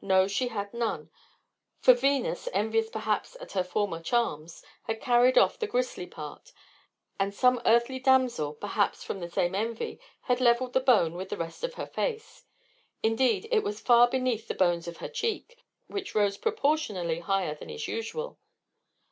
Nose she had none; for Venus, envious perhaps at her former charms, had carried off the gristly part; and some earthly damsel, perhaps, from the same envy, had levelled the bone with the rest of her face: indeed it was far beneath the bones of her cheeks, which rose proportionally higher than is usual.